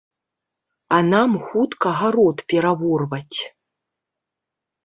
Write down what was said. А нам хутка гарод пераворваць.